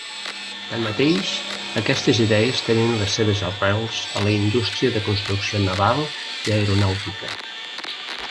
Tanmateix, aquestes idees tenen les seves arrels a la indústria de construcció naval i aeronàutica.